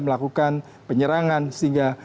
melakukan penyerangan sehingga